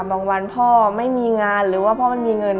วันพ่อไม่มีงานหรือว่าพ่อไม่มีเงิน